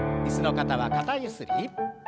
椅子の方は肩ゆすり。